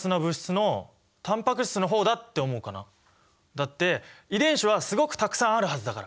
だって遺伝子はすごくたくさんあるはずだから。